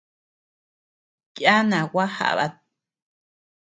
Yana gua jabat.